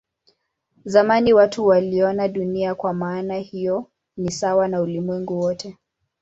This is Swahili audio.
Zamani watu waliona Dunia kwa maana hiyo ni sawa na ulimwengu wote.